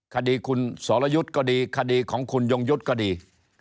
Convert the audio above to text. คดีคุณสรยุทธ์ก็ดีคดีของคุณยงยุทธ์ก็ดี